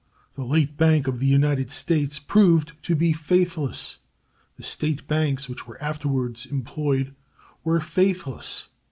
The late Bank of the United States proved to be faithless. The State banks which were afterwards employed were faithless.